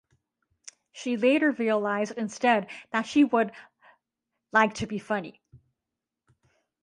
She later realised instead that she would "like to be funny".